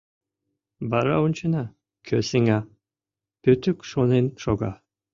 Вара ончена, кӧ сеҥа, — Пӧтук шонен шога.